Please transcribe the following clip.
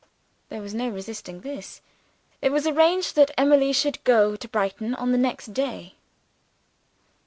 There was no resisting this. It was arranged that Emily should go to Brighton on the next day.